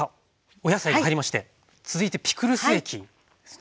お野菜が入りまして続いてピクルス液ですね。